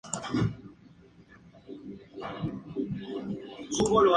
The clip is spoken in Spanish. Nos basta con saber cómo funciona cada una de ellas para entender el sistema.